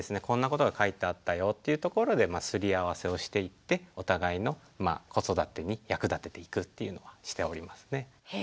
「こんなことが書いてあったよ」っていうところですり合わせをしていってお互いの子育てに役立てていくっていうのはしておりますね。